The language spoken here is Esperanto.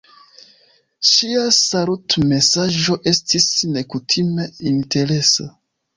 Ŝia salutmesaĝo estis nekutime interesa.